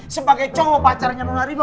sebagai cowok pacarannya nona riva